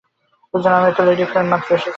দুজন American lady friend মাত্র আছেন।